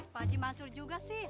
pakcik mansur juga sih